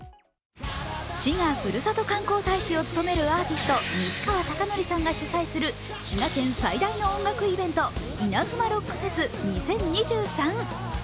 滋賀ふるさと観光大使を務めるアーティスト西川貴教さんが主催する滋賀県最大の音楽イベントイナズマロックフェス２０２３。